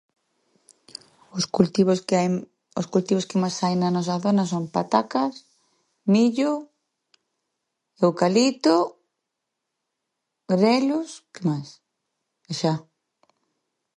Os cultivos que hai, os cultivos que máis hai na nosa zona son: patacas, millo, eucalipto, grelos, que máis? E xa.